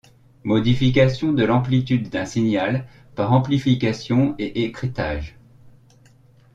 Modifications de l'amplitude d'un signal par amplification et écrêtage.